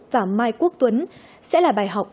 và mai quốc tuấn sẽ là bài học